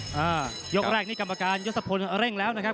ยกแรกนี่กรรมการยศพลเร่งแล้วนะครับ